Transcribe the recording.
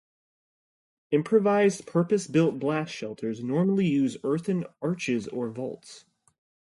Improvised purpose-built blast shelters normally use earthen arches or vaults.